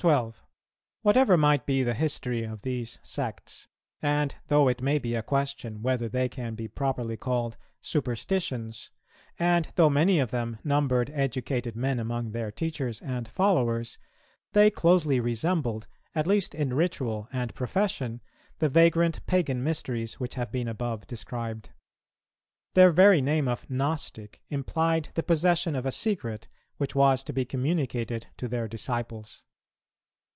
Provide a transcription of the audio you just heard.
Whatever might be the history of these sects, and though it may be a question whether they can be properly called "superstitions," and though many of them numbered educated men among their teachers and followers, they closely resembled, at least in ritual and profession, the vagrant Pagan mysteries which have been above described. Their very name of "Gnostic" implied the possession of a secret, which was to be communicated to their disciples.